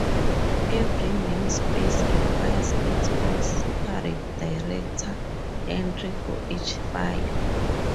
Every name space requires its own separate directory entry for each file.